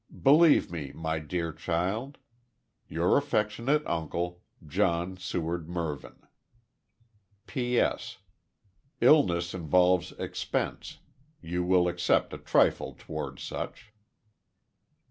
"Believe me, my dear child, "Your affectionate uncle, "John Seward Mervyn. "PS. Illness involves expense. You will accept a trifle towards such."